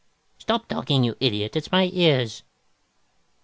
"Stop talking, you idiot, it's my ears!"